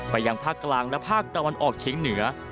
ยังภาคกลางและภาคตะวันออกเฉียงเหนือ